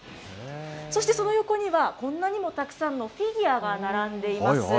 そしてその横には、こんなにもたくさんのフィギュアが並んでいます。